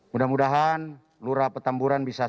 mudah mudahan lurah petamburan bisa segera